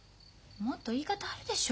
もっと言い方あるでしょう。